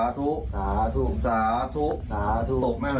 อ๋อแต่จะดีขึ้นไป